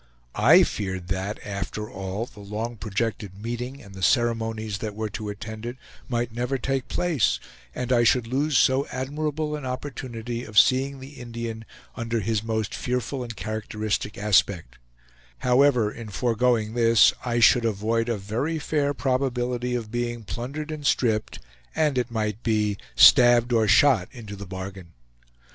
I feared that, after all, the long projected meeting and the ceremonies that were to attend it might never take place, and I should lose so admirable an opportunity of seeing the Indian under his most fearful and characteristic aspect; however, in foregoing this, I should avoid a very fair probability of being plundered and stripped, and, it might be, stabbed or shot into the bargain.